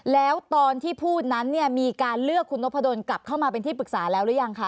แล้วตอนที่พูดนั้นเนี่ยมีการเลือกคุณนพดลกลับเข้ามาเป็นที่ปรึกษาแล้วหรือยังคะ